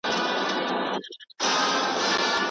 کله د ځان پاک ساتل پر ځان باور لوړوي؟